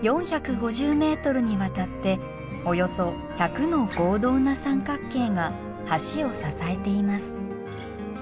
４５０ｍにわたっておよそ１００の合同な三角形が橋を支えています。